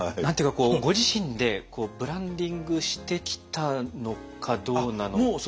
何て言うかご自身でブランディングしてきたのかどうなのか。